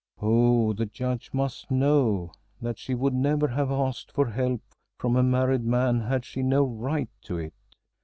Oh, the Judge must know that she would never have asked for help from a married man had she no right to it.